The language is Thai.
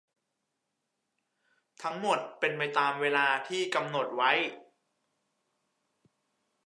ทั้งหมดเป็นไปตามเวลาที่กำหดนไว้